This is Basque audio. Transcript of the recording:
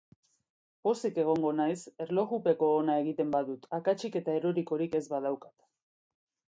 Pozik egongo naiz erlojupeko ona egiten badut, akatsik eta erorikorik ez badaukat.